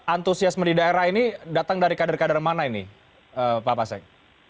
antusiasme di daerah ini datang dari kader kader mana ini pak pasek